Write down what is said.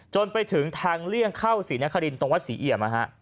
จนไปถึงทางเลี่ยงเข้าศรีนครินตรงวัดศรีเอี่ยม